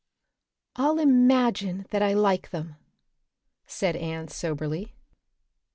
"I'll imagine that I like them," said Anne soberly.